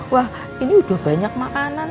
wah ini udah banyak makanan